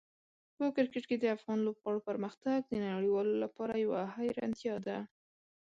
په کرکټ کې د افغان لوبغاړو پرمختګ د نړیوالو لپاره یوه حیرانتیا ده.